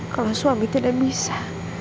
kalau suami tidak bisa